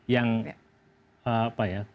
yang apa ya